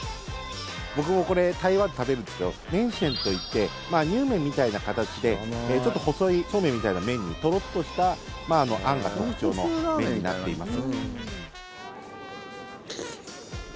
僕もこれ台湾で食べるんですけどミェンシェンといって乳麺みたいな形でちょっと細いそうめんみたいな麺にトロッとしたあんが特徴の麺になっています。